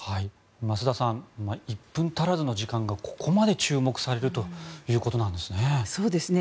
増田さん１分足らずの時間がここまで注目されるということなんですね。